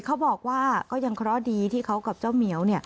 เขาบอกว่าก็ยังเคราะห์ดีที่เขากับเจ้าเหมียว